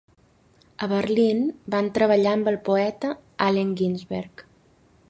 A Berlin van treballar amb el poeta Allen Ginsberg.